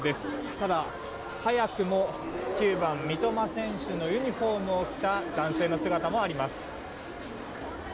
ただ、早くも９番三笘選手のユニホームを着た男性の姿もあります。